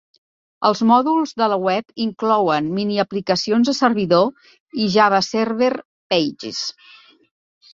Els mòduls de la web inclouen miniaplicacions de servidor i JavaServer Pages.